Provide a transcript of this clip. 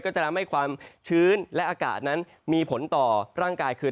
จะทำให้ความชื้นและอากาศนั้นมีผลต่อร่างกายคือ